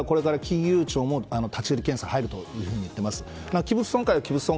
これから、金融庁も立ち入り検査に入ると言っています。